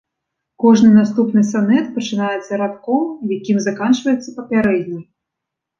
Кожны наступны санет пачынаецца радком, якім заканчваецца папярэдні.